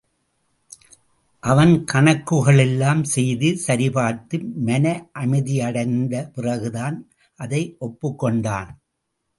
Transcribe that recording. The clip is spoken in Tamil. அவன் கணக்குகளெல்லாம் செய்து சரிபார்த்து, மனஅமைதியடைந்த பிறகுதான், அதை ஒப்புக் கொண்டான்.